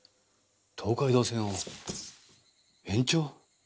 東海道線を延長？